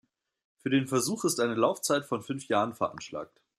Für den Versuch ist eine Laufzeit von fünf Jahren veranschlagt.